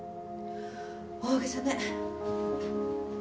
大げさね。